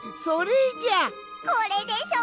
これでしょ！？